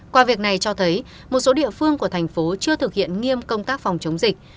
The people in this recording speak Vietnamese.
qua việc này cho thấy một số địa phương của thành phố chưa thực hiện nghiêm công tác phòng chống dịch